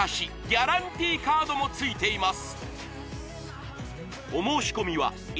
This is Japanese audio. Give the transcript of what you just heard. ギャランティーカードもついています